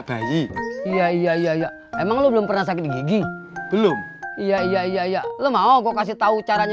sayang kalau dibuangnya